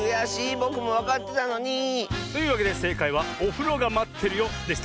ぼくもわかってたのに！というわけでせいかいは「おふろがまってるよ」でした。